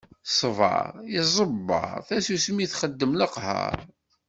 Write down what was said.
Ṣṣbeṛ iẓebber, tasusmi txeddem leqheṛ.